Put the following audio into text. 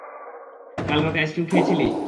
কাল রাতে আইসক্রিম খেয়েছিলি?